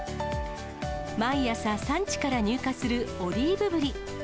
毎朝産地から入荷するオリーブぶり。